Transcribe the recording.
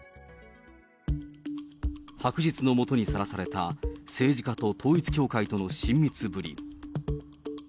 白日の下にさらされた政治家と統一教会との親密ぶり。